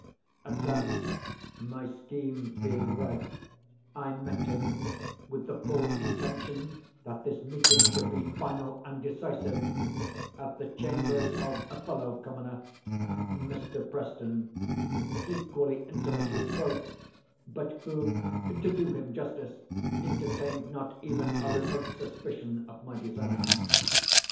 At length, my schemes being ripe, I met him (with the full intention that this meeting should be final and decisive) at the chambers of a fellow commoner, (Mr. Preston,) equally intimate with both, but who, to do him justice, entertained not even a remote suspicion of my design.